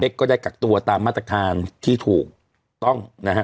ก็ได้กักตัวตามมาตรการที่ถูกต้องนะฮะ